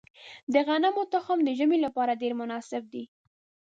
د غنمو تخم د ژمي لپاره ډیر مناسب دی.